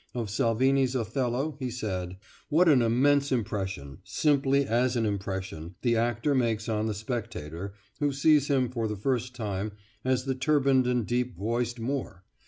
Of Salvini's Othello he said: ... "What an immense impression simply as an impression the actor makes on the spectator who sees him for the first time as the turbaned and deep voiced Moor!